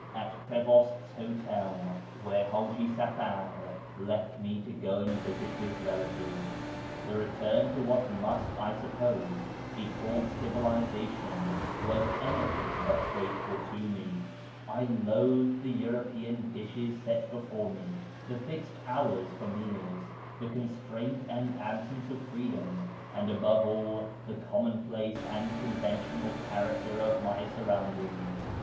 at Prevost's hotel, where Haji Safar left me to go md visit his relatives. The return to what must, I suppose, be called civilisation vas anything but grateful to me ; I loathed the European lishes set before me, the fixed hours for meals, the constraint ,nd absence of freedom, and above all the commonplace and I onventional character of my surroundings.